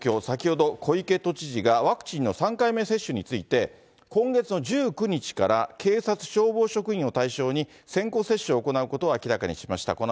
先ほど、小池都知事がワクチンの３回目接種について、今月の１９日から警察、消防職員を対象に、先行接種を行うことを明らかにしました。